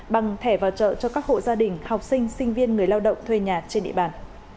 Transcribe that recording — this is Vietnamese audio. bằng thẻ vào chợ cho các hộ gia đình học sinh sinh viên người lao động thuê nhà trên địa bàn